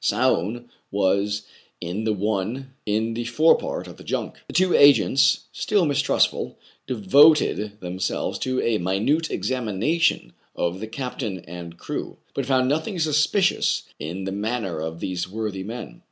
Soun was in the one in the fore part of the junk. The two agents, still mistrustful, devoted them selves to a minute examination of the captain and crew, but found nothing suspicious in the manner of these worthy men.